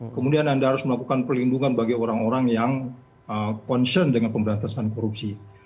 kemudian anda harus melakukan perlindungan bagi orang orang yang concern dengan pemberantasan korupsi